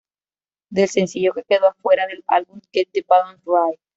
Del sencillo que quedó fuera del álbum, "Get the Balance Right!